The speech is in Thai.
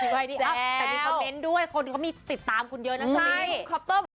แต่มีคอมเม้นต์ด้วยคนก็มีติดตามคุณเยอะนะสมีย